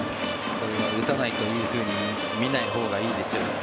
打たないというふうに見ないほうがいいですよ。